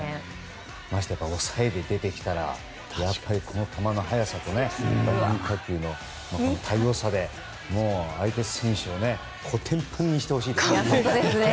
ましてや抑えで出てきたらこの球の速さと変化球の多様さで相手選手をこてんぱんにしてほしいですね。